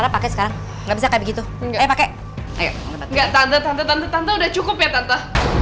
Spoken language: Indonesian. pakai sekarang aja pakai enggak tante tante tante udah cukup ya tante